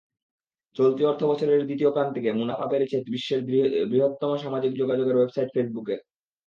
চলতি অর্থবছরের দ্বিতীয় প্রান্তিকে মুনাফা বেড়েছে বিশ্বের বৃহত্তম সামাজিক যোগাযোগের ওয়েবসাইট ফেসবুকের।